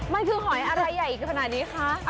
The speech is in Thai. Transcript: มันคือหอยอะไรใหญ่ขนาดนี้คะ